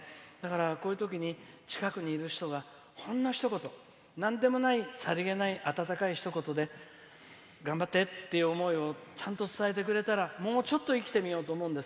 こういうときに近くにいるときにほんのひと言、なんでもないさりげない温かいひと言で頑張ってっていう思いをちゃんと伝えてくれたらもうちょっと生きてみようと思うんです。